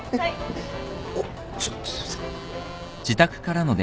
おっちょっとすいません。